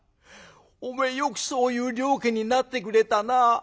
おめえよくそういう了見になってくれたな。